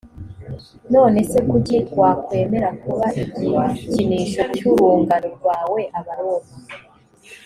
none se kuki wakwemera kuba igikinisho cy urungano rwawe abaroma